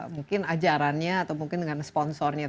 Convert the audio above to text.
mungkin ajarannya atau mungkin dengan sponsornya